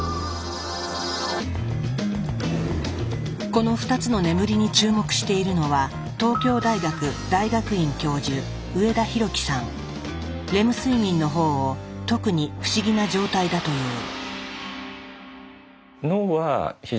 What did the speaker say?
この２つの眠りに注目しているのはレム睡眠の方を特に不思議な状態だという。